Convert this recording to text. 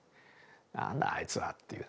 「なんだあいつは」っていうね。